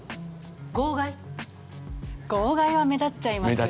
号外は目立っちゃいますよね。